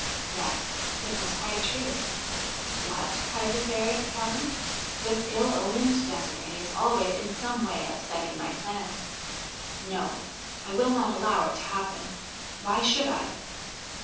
Yes, it was quite true. ' What !' cried the Fairy of the Fountain, ' this ill omened De"siree is always in some way upsetting my plans. No! I will not allow it to happen : why should I